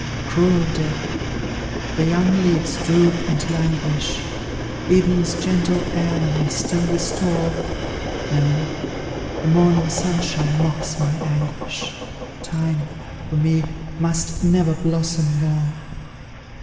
Cruel Death! The young leaves droop and languish; Evening's gentle air may still restore No! the morning sunshine mocks my anguish Time, for me, must never blossom more!